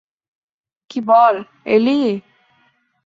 কী বল, এলী?